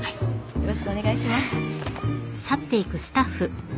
よろしくお願いします。